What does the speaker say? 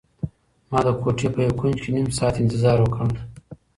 ما د کوټې په یو کنج کې نيم ساعت انتظار وکړ.